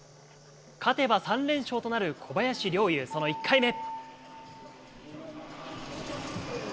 勝てば３連勝となる小林陵侑、その１回目。